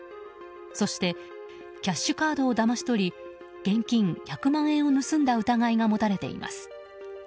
そしてキャッシュカードをだまし取り現金１００万円を盗んだ疑いが持たれています。